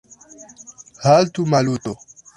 Haltu, Maluto!